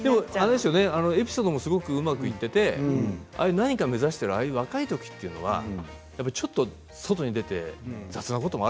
エピソードもすごくうまくいっていて何か目指している若い時というのは、ちょっと外に出てさすらうこともある